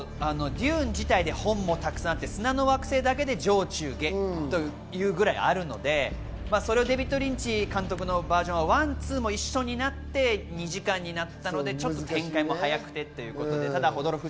もともとの『ＤＵＮＥ』自体で本もたくさんあって『砂の惑星』だけで上・中・下というぐらいあるので、デヴィッド・リンチ監督のバージョンは１、２も一緒になって２時間になったので展開も早くてということです。